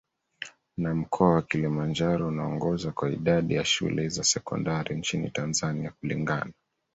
na mkoa wa Kilimanjaro unaongoza kwa idadi ya shule za sekondari nchini Tanzania Kulingana